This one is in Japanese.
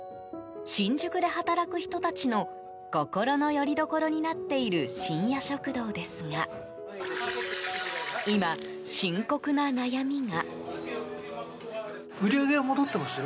新宿で働く人たちの心の拠り所になっている深夜食堂ですが今、深刻な悩みが。